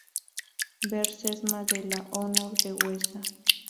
Ver Sesma de la Honor de Huesa